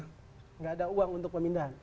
tidak ada uang untuk pemindahan